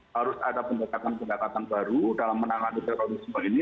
harus ada pendekatan pendekatan baru dalam menangani terorisme ini